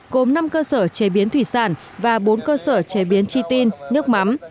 gồm năm cơ sở chế biến thủy sản và bốn cơ sở chế biến chi tin nước mắm